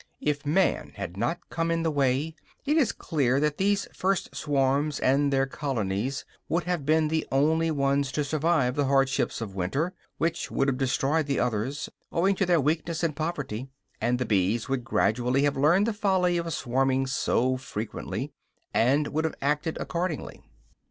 If man had not come in the way, it is clear that these first swarms and their colonies would have been the only ones to survive the hardships of winter, which would have destroyed the others, owing to their weakness and poverty; and the bees would gradually have learned the folly of swarming so frequently, and would have acted accordingly.